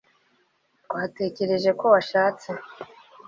twatekereje ko washatse